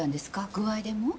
具合でも？